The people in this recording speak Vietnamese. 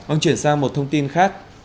ông chuyển sang một thông tin khác